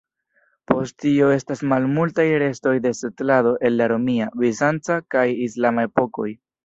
Post tio estas malmultaj restoj de setlado el la romia, bizanca kaj islama epokoj.